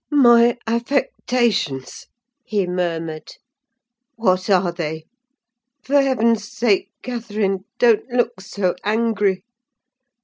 "My affectations!" he murmured; "what are they? For heaven's sake, Catherine, don't look so angry!